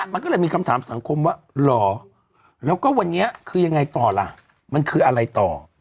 มันก็เลยมีคำถามสังคมว่าเหรอแล้วก็วันนี้คือยังไงต่อล่ะมันคืออะไรต่อ